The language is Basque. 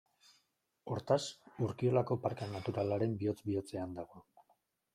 Hortaz, Urkiolako Parke Naturalaren bihotz-bihotzean dago.